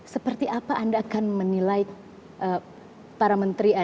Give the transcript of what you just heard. seperti apa anda akan menilai para menteri